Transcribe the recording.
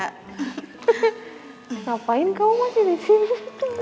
ngapain kamu masih di sini